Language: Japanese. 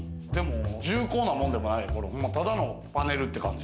重厚なもんでもないよ、ただのパネルって感じ。